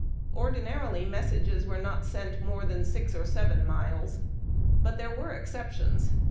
Ordinarily, messages were not sent more than six or seven miles, but there were exceptions.